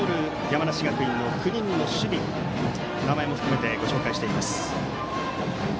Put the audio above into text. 山梨学院の９人の守備名前も含めてご紹介しています。